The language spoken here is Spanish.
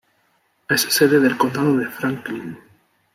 Es sede del condado de Franklin.